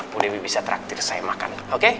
bu dewi bisa traktir saya makan